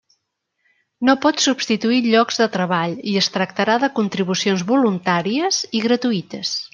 No pot substituir llocs de treball i es tractarà de contribucions voluntàries i gratuïtes.